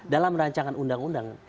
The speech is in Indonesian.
dalam rancangan undang undang